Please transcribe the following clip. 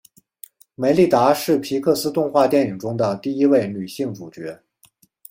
梅莉达是皮克斯动画电影中的第一位女性主角。